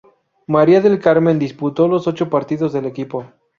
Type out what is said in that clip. María del Carmen disputó los ocho partidos del equipo.